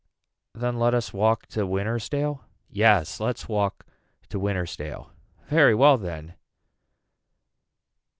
Then let us walk to Wintersdale. Yes let's walk to Wintersdale. Very well then.